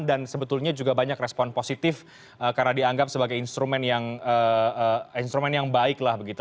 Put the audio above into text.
dan sebetulnya juga banyak respon positif karena dianggap sebagai instrumen yang baik lah begitu